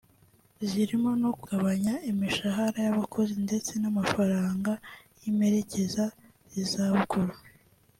zirimo no kugabanya imishahara y’abakozi ndetse n’amafaranga y’imperekeza z’izabukuru